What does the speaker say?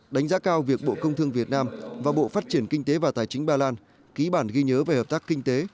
đánh giá cao việc bộ công thương việt nam và bộ phát triển kinh tế và tài chính ba lan ký bản ghi nhớ về hợp tác kinh tế